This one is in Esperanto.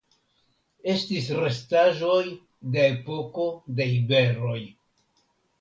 Estis restaĵoj de epoko de iberoj.